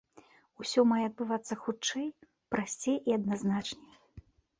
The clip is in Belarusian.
Усё мае адбывацца хутчэй, прасцей і адназначней.